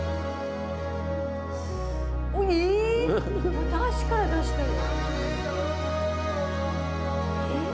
また足から出してる。